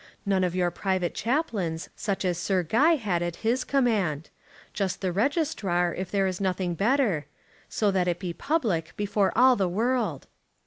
None of your private chaplains, such as Sir Guy had at his command. Just the registrar, if there is nothing better, so that it be public, before all the world."